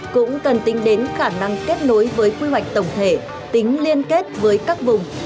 cũng cần tính đến khả năng kết nối với quy hoạch tổng thể tính liên kết với các vùng